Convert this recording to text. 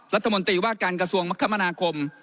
รัฐมนตรีว่าการกระทรวงมคมนาคม